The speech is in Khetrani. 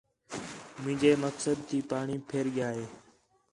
مینجے مقصد تی پاݨی پِھر ڳِیا ہِے